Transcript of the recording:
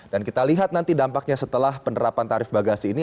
dan kita lihat nanti dampaknya setelah penerapan tarif bagasi ini